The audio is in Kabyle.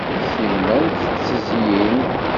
Simmal tettizyin.